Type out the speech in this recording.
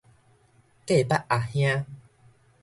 隔腹阿兄